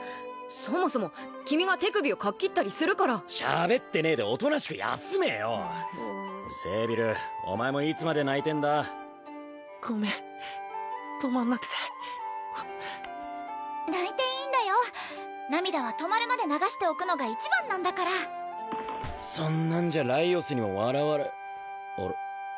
そもそも君が手首をかっ切ったりするからしゃべってねえでおとなしく休めよセービルお前もいつまで泣いてんだごめん止まんなくて泣いていいんだよ涙は止まるまで流しておくのが一番なんだからそんなんじゃライオスにも笑われあれ？